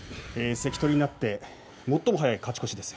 関取になって最も早い勝ち越しですよ。